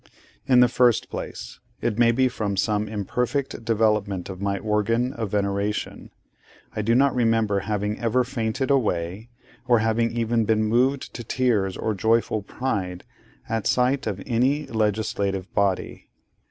In the first place—it may be from some imperfect development of my organ of veneration—I do not remember having ever fainted away, or having even been moved to tears of joyful pride, at sight of any legislative body.